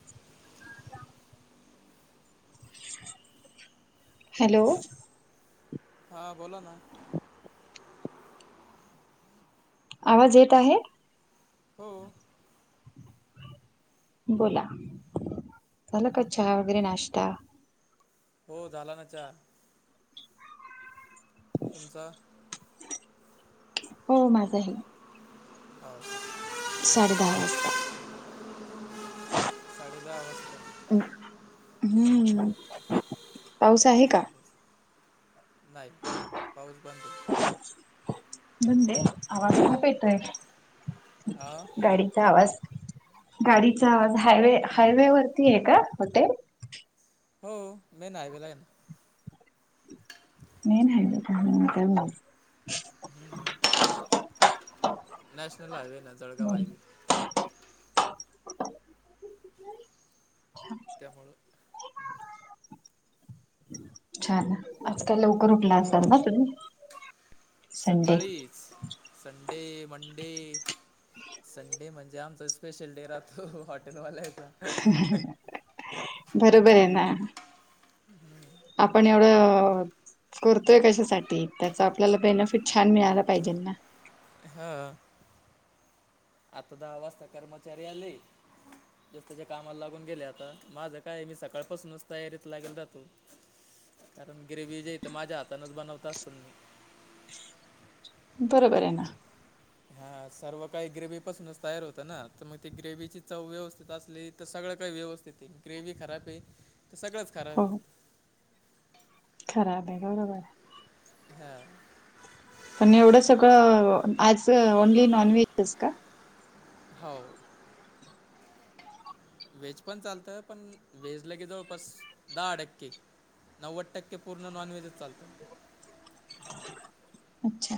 [unintelligible] Hello? हा बोला ना. आवाज येत आहे? हम. बोला झाला का चहा वगैरे नाश्ता? हो झाला ना चहा. तुमचा हो माझाही. [unintelligible] साडे दहा वाजता. [unintelligible] दहा वाजता [unintelligible] हम्म. पाऊस आहे का चांगलं चांगलं नाही पाऊस बंद आहे. बंद हे आवाज खूप हो येतोय आ गाडी आवाज गाडीचा आवाज हायवे हायवे वरती आहे का कुठे? हो मेन हायवे ला आहे ना. मेन हायवे का हा त्यामुळे [unintelligible] हम् [unintelligible] नॅशनल हायवे ना जळगाव हायवे त्यामुळ. छान आज काय लवकर उठला हां असाल ना तुम्ही? संडे सकाळीच संडे मंडे संडे म्हणजे आमचा स्पेशल डे राहतो हॉटेलवाल्याचा. बरोबर आहे ना. आपण एवढं करतोय कशासाठी त्याच आपल्याला बेनिफिट छान मिळाला पाहिजे ना. ह. आता दहा वाजता कर्मचारी आले [inaudible] [unintelligible] ज्याच्या त्याच्या कामाला लागून गेले आता माझं काय मी सकाळपासूनच तयारीत लागून राहतो. कारण ग्रेवी जे इथ माझ्या हातानच बनवत असतो मी. बरोबर आहे ना. हा सर्व काही ग्रेवही पासूनच तयार होतं ना तर मग ते ग्रेव्हीची चव व्यवस्थित असली तर सगळं काही व्यवस्थित आहे ग्रेवी खराब आहे तर सगळंच खराब हो आहे. खराब आहे बरोबर आहे [unintelligible] हा. पण एवढं सगळं आज ओनली नॉनव्हेजच का? हाव. व्हेज पण चालत पण व्हेज लगे जवळपास दहा टक्के नव्वद टक्के पूर्ण नॉनव्हेजच चालतं. अच्छा.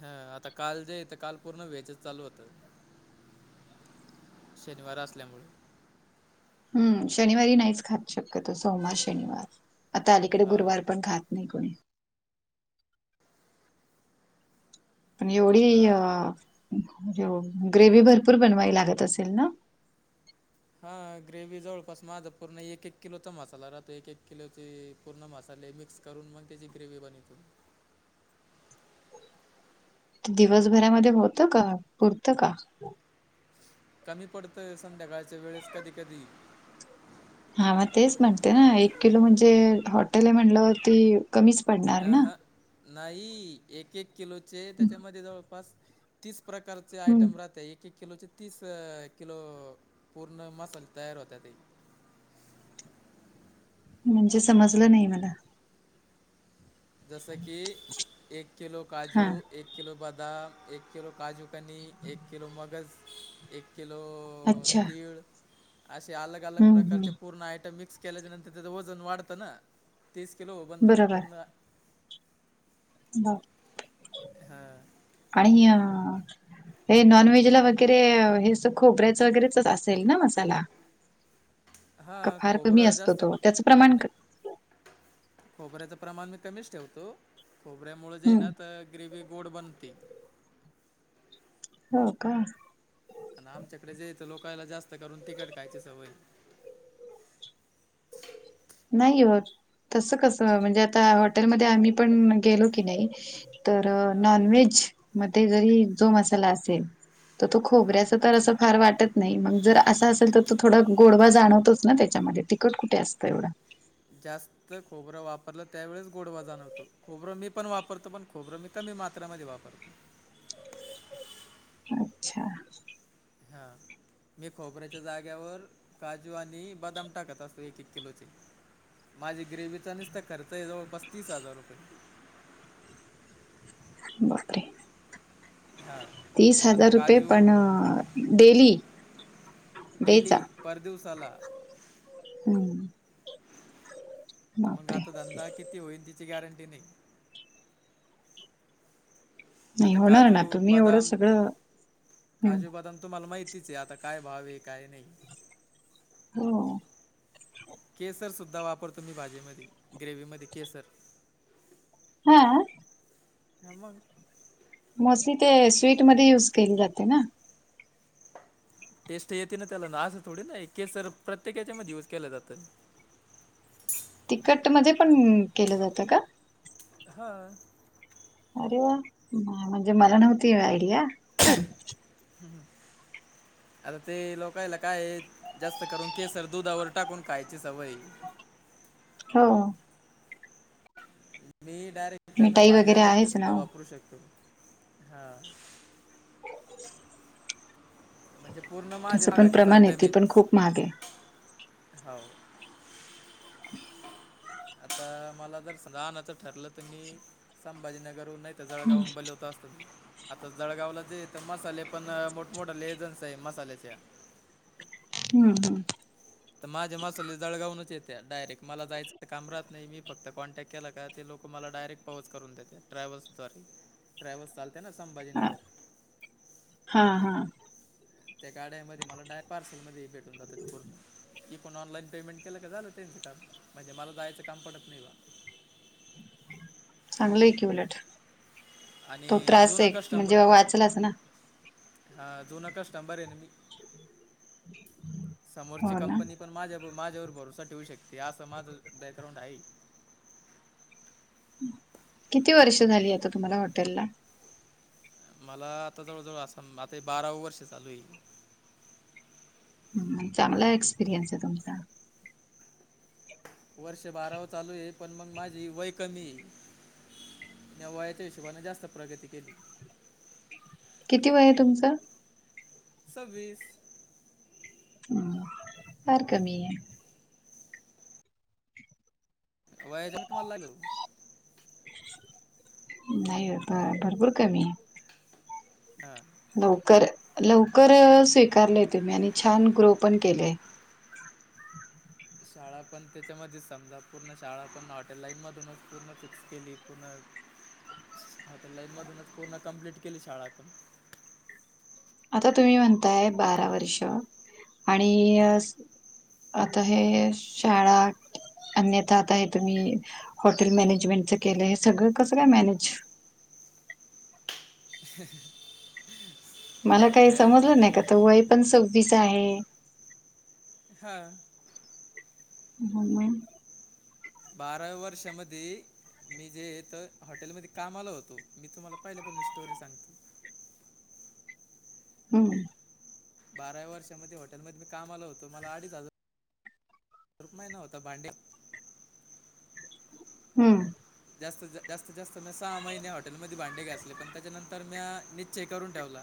हा आता काल जे हेत काल पूर्ण व्हेजच चालू होतं. शनिवार असल्यामुळे हम्म शनिवारी नाहीच खात शक्यतो सोमवार शनिवार आता अलीकडे हां गुरुवार पण खात नाही कोणी [unintelligible] पण एवढी आता ग्रेव्ही भरपूर बनवावी लागत असेल ना? हा ग्रेव्ही जवळपास माझा पूर्ण एक एक किलोचा मसाला राहतो एक एक किलोची पूर्ण मसाले मिक्स करून मग त्याची ग्रेव्ही बनवितो. दिवसभरामध्ये होत का पुरतं का? कमी पडतं संध्याकाळच्या वेळेस कधी कधी. हा मग तेच म्हणते ना एक किलो म्हणजे हॉटेल आहे म्हणल्यावरती कमीच पडणार अ ना ह नाही एक एक किलोचे त्याच्यामध्ये जवळपास तीस प्रकार चे हम्म आयटम राहत एक एक किलोचे तीस किलो पूर्ण मसाले तयार होताते. म्हणजे समजलं नाही मला. जसे की एक किलो हा काजू एक किलो बदाम एक किलो काजू कनी एक किलो मगज एक किलो अच्छा तीळ असे अलग अलग हम्म प्रकारचे हम्म पूर्ण आयटम मिक्स केल्याच्या नंतर त्याचं वजन वाढतं ना. तीस किलो बनतात ते बरोबर पूर्ण. बाप हां. आणिय‌ हे नॉन व्हेज ला वगैरे हेचा खोबऱ्याच वगैरेच असेल ना मसाला. का हां फार कमी खोबरं असतो जास्त तो त्याच प्रमाण नाही क खोबऱ्याचं प्रमाण मी कमीच ठेवतो खोबऱ्यामुळे जे हं, ना तर ग्रेव्ही गोड बनते. हो का? आणि आमच्याकडे जे हे ते लोकायला जास्त करून तिखट खायची सवय. नाही हो तसं कसं म्हणजे आता हॉटेलमध्ये आम्ही पण गेलो की नाही तर हां नॉनव्हेज मध्ये जरी जो मसाला असेल तर तो हां खोबऱ्याच तर असं फार वाटत नाही मग जर असा असेल तर तो थोडा गोडवा जाणवतोच ना त्याच्यामध्ये तिकट कुठे असतं एवढं. जास्त खोबरं वापरलं त्यावेळेस गोडवा जाणवतो खोबरं मी पण वापरतो पण खोबरं मी कमी मात्रामध्ये वापरतो. अच्छा. हां. मी खोबऱ्याच्या जागेवर काजू आणि बदाम टाकत असतो एक-एक किलोचे. माझी ग्रेव्हीचा निसता खर्च आहे जवळपास तीस हजार रुपये बापरे! हां तीस आता हजार रुपये काजू पण अ डेली डेली पर दिवसाला. हम्म. तर मंग आता धंदा किती होईल तिची गॅरंटी नाही. नाही आता होणार काजू ना तुम्ही एवढं बदाम सगळं हं. काजू बदाम तुम्हाला माहितीच आहे आता काय भाव हाय काय नाही. हो. केसर सुुद्धा वापरतो मी भाजीमध्ये ग्रेवीमध्ये केसर. हां. हा मंग मोस्टली ते स्वीटमध्ये युज केले जाते ना. टेस्ट येते ना त्याला ना असं थोडी ना आहे केसर प्रत्येक हेच्या मध्ये युज केल्या जातं. तिकट मध्ये पण केलं जातं का? हां. अरे वा मा म्हणजे मला नव्हती आयडिया. हम्म. छान आता ते लोकायला काय हे जास्त करून केसर दुधावर टाकून खायची सवय आहे. हो. तुम्ही डायरेक्ट त्यांना मिठाई वगैरे भाज्यांमध्ये आहेच ना सुद्धा हो. वापरू शकतो हा. म्हणजे पूर्ण माझे त्याचं पण मागाचे प्रमाण आहे आयटम ते पण आहेच. खूप महाग आहे हाव आता मला जर पण राहनाचं ठरलं तर मी संभाजीनगरुन नाही तर जळगावून बलवतं आता जळगावला ते तर मसाले पण मोठमोठे लेजन्सी आहे मसाल्याच्या. हम्म हम्म. तर माझ्या मसाले जळगावूनच येते डायरेक मला जायचं काम राहत नाही मी फक्त कॉन्टॅक्ट केला का ते लोकं मला डायरेक पोहच करून देते ट्रॅव्हल्सद्वारे ट्रॅव्हल्स चालते ना हा, संभाजीनगर. हा हा. त्या गाड्यामध्ये मला डाय पार्सल मध्ये भेटून जात ते पूर्ण. इकून पण ऑनलाईन पेमेंट केलं का झालं त्यांचं काम म्हणजे मला जायचं काम पडत नाही ना. चांगलंय की उलट तो आणि त्रास एक म्हणजे वाचलाच ना. हा जुना कस्टंबर आहे ना मी समोरची हो ना कंपनी. पण, माझ्या माझ्यावर भरोसा ठेवू शकते असं माझं बॅकग्राऊंड आहे. किती वर्ष झाली आता तुम्हाला हॉटेल ला? मला आता जवळ, जवळ असं आता बारा वर्ष चालू आहे. ह चांगला एक्सपिरियन्स आहे तुमचा. वर्ष बाराव चालू आहे पण मग माझी वय कमी आहे. म्या वयाच्या हिशोबाने जास्त प्रगती केली. किती वेय आहे तुमचं? सव्वीस. हम फार कमी आहे. वयाच तुम्हाला लागल [unintelligible] नाही आता भरपूर कमी आहे. हा. लवकर लवकर स्वीकारलेय तुम्ही आणि छान ग्रो पण केलय. शाळा पण त्याच्यामध्येच समजा पूर्ण शाळा पण हॉटेल लाईन मधूनच पूर्ण फिक्स केली पूर्ण [inaudible] हा तर लाईन मधूनच पूर्ण कंम्प्लीट केली शाळा पण आता. तुम्ही म्हणताय बारा वर्ष आणि हां आता हे शाळा अन्यथा आता हे तुम्ही हॉटेल मॅनेजमेंटच केलं. हे सगळं कसं काय मॅनेज? [unintelligible] मला काही मॅनेज समजलं म्हणजे नाही का तर वय पण सव्वीस आहे हां. हा मग. बाराव्या वर्षामध्ये मी जेे हे त हॉटेलमध्ये कामाला होतो. मी तुम्हाला पहिल्यापासून स्टोरी सांगतो. हम्म. बाराव्या वर्षामध्ये हॉटेलमध्ये मी कामाला होतो मला अडीच हजार रुप महिना होता भांडे. हम्म. जास्त, जास्त मी सहा महिने हॉटेलमध्ये भांडे घासले पण त्याच्या नंतर म्या निश्चय करून ठेवला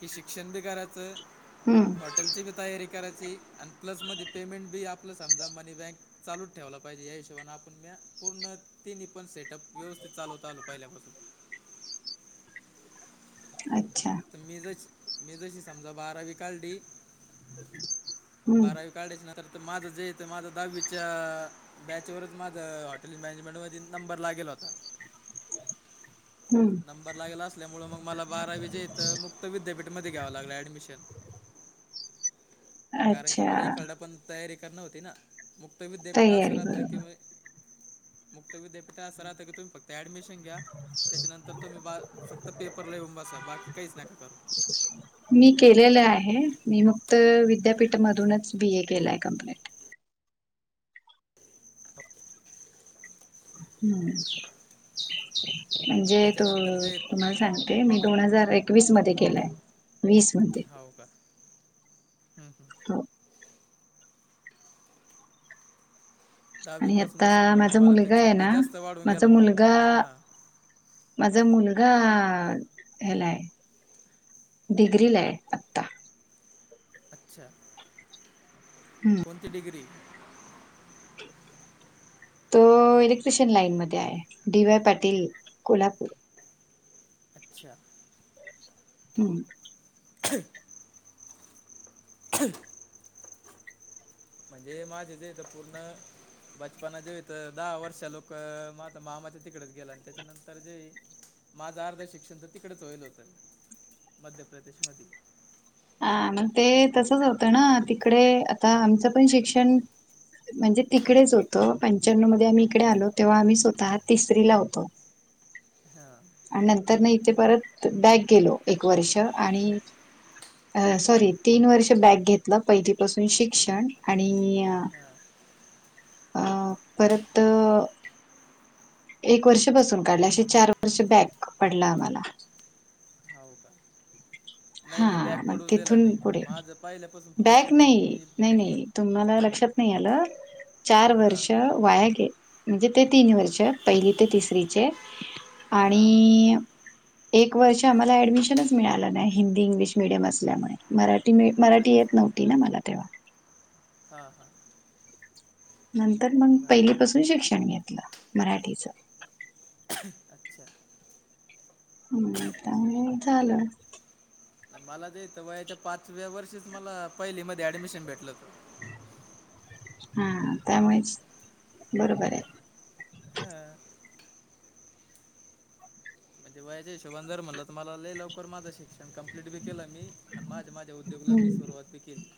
की शिक्षण बी करायचं हम्म. हॉटेलची बी तयारी करायची आणि प्लस मध्ये पेमेंट बी आपलं समजा मनी बँक चालूच ठेवायला पाहिजे या हिशोबाने आपण म्या पूर्ण. तिन्ही पण सेटअप व्यवस्थित चालवत आलो पहिल्यापासून. अच्छा. तर मी जशी मी जशी समजा बारावी काढली. [unintelligible] बारावी काढायची ना तर माझं जे इथ माझं दहावीच्या बॅचवरच माझ हॉटेल मॅनेजमेंट मध्ये नंबर लागेल होता. हम्. नंबर लागेला असल्यामुळं मग मला बारावीच्या इथं मुक्त विद्यापीठमध्ये घ्यावं लागलं ॲडमिशन. [inaudible] कारण की अच्छा मला इकड पण तयारी करणं होती ना मुक्त विद्यापीठ असं तयारी राहतं बरोबर कि, मुक्त विद्यापीठ असं राहत, की तुम्ही फक्त ऍडमिशन घ्या त्याच्यानं अ फक्त पेपरला येऊन बसा बाकी काहीच नका करू. [inaudible] मी केलेलं आहे मी मुक्त विद्यापीठमधूनच बी ए केलाय कम्प्लीट. हम्म म्हणजे त त्याच्यानंतर जे तुम्हाला [unintelligible] ते मी दोन हजार एकवीस मध्ये केलय. हाव का. हंम. हंम. [unintelligible] आणि आता दहावीपासूनच समजा मग माझा मला ते मुलगा आहे छंद ना, जास्त वाढून माझा गेला मावा मुलगा हां माझा मुलगा ह्याला आहे. डिग्रीला आहे आता. अच्छा. हम्म. कोणती डिग्री? तो इलेक्ट्रिशियन लाईनमध्ये आहे डी वाय पाटील कोल्हापूर. अच्छा. हम्म. [inaudible] [inaudible] म्हणजे माझे जे ते पूर्ण बचपना जेवी तर दहा वर्ष लोकं म आता मामाच्या तिकडेच गेला आणि त्याच्यानंतर जे माझं अर्ध शिक्षण तर तिकडेच होईल होतं मध्य प्रदेश मधी. हां मंग ते तसंच होतं ना तिकडे आता आमचं पण शिक्षण म्हणजे तिकडेच होतं पंच्यानवं मध्ये आम्ही इकडे आलो तेव्हा आम्ही स्वतः तिसरीला होतो. हां आणि नंतर ना इथे परत बॅक गेलो एक वर्ष आणि अ सॉरी तीन वर्ष बॅक घेतलं पहिलीपासून शिक्षण आणि हां. अ परत एक वर्ष बसून काढलं असे चार वर्ष बॅक पडलं आम्हाला. हाव का? नाही मी बॅग हां मग पडूच दिला तिथून नाही पुढे माझं पहिल्यापासून बॅक प्रोसेस एक नाही, मी नाही नाही. तुम्हाला लक्षात नाही आलं चार हां वर्ष वाया गे म्हणजे ते तीन वर्ष पहिली ते तिसरीचे. हां आणि एक वर्ष आम्हाला ऍडमिशनच मिळाला नाही हिंदी इंग्लिश मिडीयम असल्यामुळे मराठी मराठी येत अच्छा नव्हती ना मला तेव्हा. हां हां. नंतर मग बराबर पहिलीपासून शिक्षण घेतलं मराठीच. अच्छा हम्म त्यामुळे झालं. आणि मला जे इथं वयाच्या पाचव्या वर्षीच मला पहिलीमध्ये ऍडमिशन भेटलंत. हा त्यामुळेच बरोबर आहे. हां. म्हणजे वयाच्या हिशोबानं जर म्हणलं तुम्हाला लय लवकर माझा [unintelligible] कम्प्लीट बी केलं मी आणि माझ्या माझ्या उद्योगाला मी हम्म सुरुवात बी केली.